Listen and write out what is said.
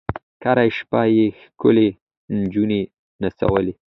کرۍ شپه یې ښکلي نجوني نڅولې